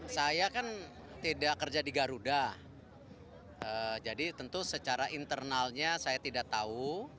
saya kan tidak kerja di garuda jadi tentu secara internalnya saya tidak tahu